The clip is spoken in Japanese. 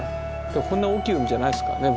でもこんな大きい海じゃないですからね